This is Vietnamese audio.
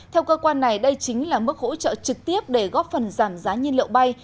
theo cơ quan này đây chính là mức hỗ trợ trực tiếp để góp phần giảm giá nhiên liệu bay